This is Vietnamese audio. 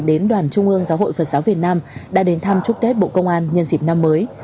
đến đoàn trung ương giáo hội phật giáo việt nam đã đến thăm chúc tết bộ công an nhân dịp năm mới